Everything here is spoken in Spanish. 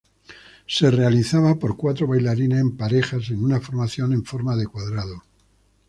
Se realizaba por cuatro bailarines en parejas en una formación en forma de cuadrado.